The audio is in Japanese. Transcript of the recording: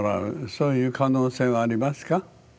そういう可能性はありますか？